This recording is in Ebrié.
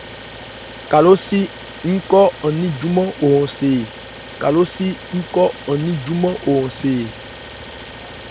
Kalósi ń khɔ an ní júmán wo hɔn see e ?